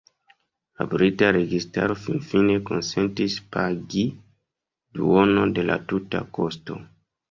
La brita registaro finfine konsentis pagi duonon de la tuta kosto.